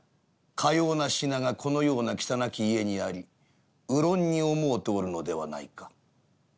かような品がこのような汚き家にあり胡乱に思うておるのではないか？」。